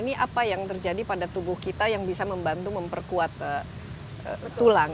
ini apa yang terjadi pada tubuh kita yang bisa membantu memperkuat tulang